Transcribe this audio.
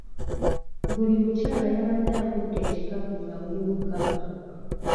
Buli mukyala yabadde akutte ekikapu nga mulimu kkapa.